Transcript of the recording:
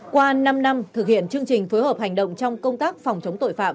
qua năm năm thực hiện chương trình phối hợp hành động trong công tác phòng chống tội phạm